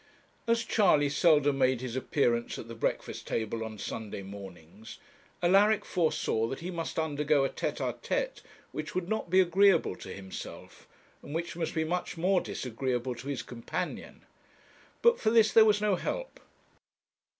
As Charley seldom made his appearance at the breakfast table on Sunday mornings, Alaric foresaw that he must undergo a tête à tête which would not be agreeable to himself, and which must be much more disagreeable to his companion; but for this there was no help.